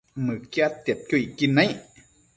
Mëquiadtiadquio icquid naic